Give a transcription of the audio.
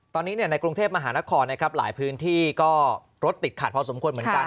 ตอนนี้ในกรุงเทพมหานครนะครับหลายพื้นที่ก็รถติดขัดพอสมควรเหมือนกัน